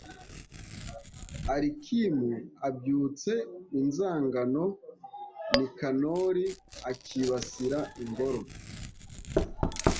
alikimu abyutsa inzangano; nikanori akibasira ingoro